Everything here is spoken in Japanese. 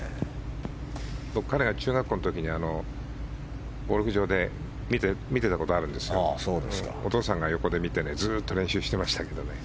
僕、彼が中学校の時にゴルフ場で見ていたことがあるんですよ。お父さんが横で見てずっと練習してましたけどね。